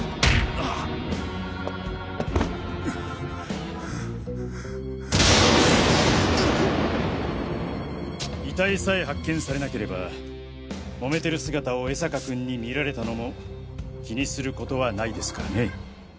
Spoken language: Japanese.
ああハァハァ遺体さえ発見されなければ揉めてる姿を江坂君に見られたのも気にする事はないですからね。